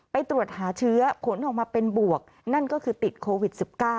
ไปตรวจหาเชื้อผลออกมาเป็นบวกนั่นก็คือติดโควิด๑๙